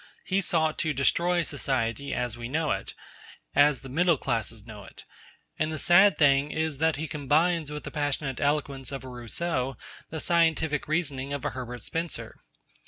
He sought to destroy society, as we know it, as the middle classes know it; and the sad thing is that he combines with the passionate eloquence of a Rousseau the scientific reasoning of a Herbert Spencer.